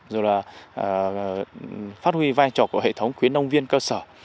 rồi là phát huy vai trò của hệ thống khuyến nông viên cơ sở